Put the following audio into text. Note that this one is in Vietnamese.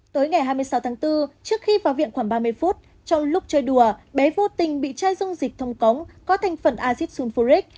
tới ngày hai mươi sáu tháng bốn trước khi vào viện khoảng ba mươi phút trong lúc chơi đùa bé vô tình bị chai dung dịch thông cống có thành phần axit sulfuric